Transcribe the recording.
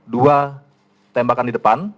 dua tembakan di depan